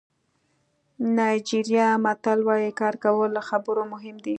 نایجیریايي متل وایي کار کول له خبرو مهم دي.